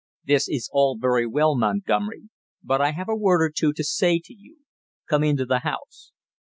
"This is all very well, Montgomery, but I have a word or two to say to you come into the house."